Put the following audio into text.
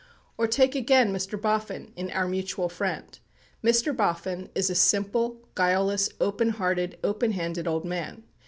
Or take again Mr. Boffin in "Our Mutual Friend." Mr. Boffin is a simple, guileless, open hearted, open handed old man.